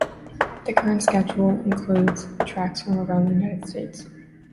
The current schedule includes tracks from around the United States.